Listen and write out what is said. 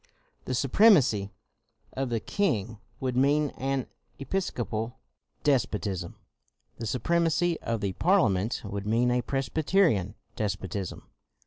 The supremacy of the king would mean an Episcopal despotism; the supremacy of the Parliament would mean a Presbyterian despotism.